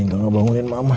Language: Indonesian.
kan mau ipersejarah